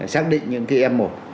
xác định những cái em một